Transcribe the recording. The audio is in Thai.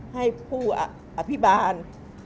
ให้ผู้อภิบาล